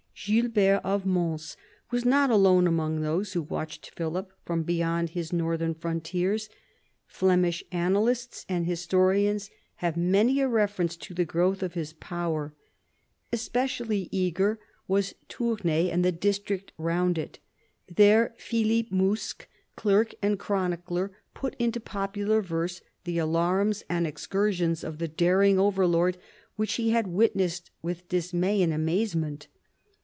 Gilbert of Mons was not alone among those who watched Philip from beyond his northern frontiers. Flemish annalists and historians have many a reference to the growth of his power. Especially eager was 212 PHILIP AUGUSTUS chap. Tournai and the district round it. There Philippe Mouskes, clerk and chronicler, put into popular verse the alarums and excursions of the daring overlord which he had witnessed with dismay and amazement.